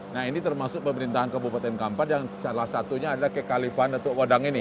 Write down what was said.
nah ini termasuk pemerintahan kabupaten kampar yang salah satunya adalah kekalipan atau wadang ini